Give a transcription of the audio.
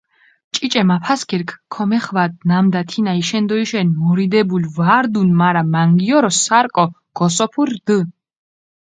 ჭიჭე მაფასქირქ ქომეხვადჷ, ნამდა თინა იშენდოიშენ მორდებული ვარდუნ, მარა მანგიორო სარკო გოსოფური რდჷ.